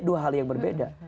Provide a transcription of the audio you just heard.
dua hal yang berbeda